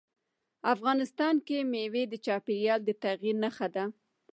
افغانستان کې مېوې د چاپېریال د تغیر نښه ده.